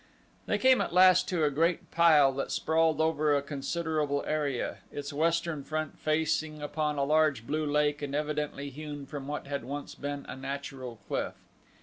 They came at last to a great pile that sprawled over a considerable area, its western front facing upon a large blue lake and evidently hewn from what had once been a natural cliff.